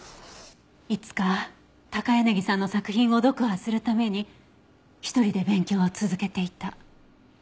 いつか高柳さんの作品を読破するために１人で勉強を続けていた。